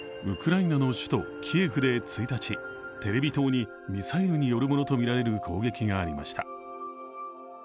ウクライナの首都キエフで１日テレビ塔にミサイルによるものとみられる攻撃がありました。